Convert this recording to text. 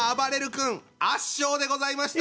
君圧勝でございました。